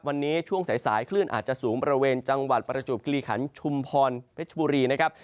วันนี้ช่วงสายคลื่นอาจจะสูงบริเวณจังหวัดประจวบกิริขันชุมพรเพชรบุรีนะครับ